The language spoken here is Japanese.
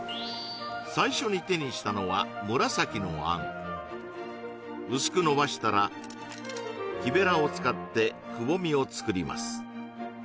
最初に手にしたのは紫のあん薄くのばしたら木べらを使ってくぼみを作ります